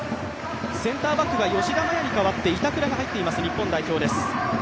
センターバックが吉田麻也に代わって板倉が入っています、日本代表。